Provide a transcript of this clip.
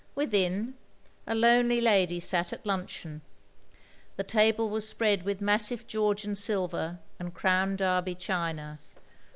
Within, a lonely lady sat at limcheon. The table was spread with massive Georgian silver and Crown Derby china.